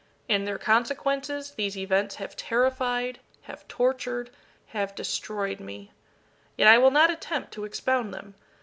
In their consequences these events have terrified have tortured have destroyed me. Yet I will not attempt to expound them.